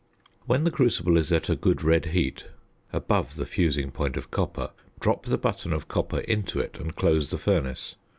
When the crucible is at a good red heat, above the fusing point of copper, drop the button of copper into it, and close the furnace.